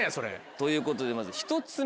ということでまず１つ目